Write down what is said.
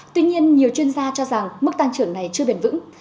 tuy nhiên nhiều chuyên gia cho rằng mức tăng trưởng này chưa bền vững